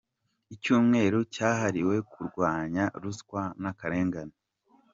Icyumweru cyahariwe kurwanya Ruswa n’akarengane